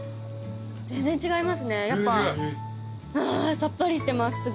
あさっぱりしてます。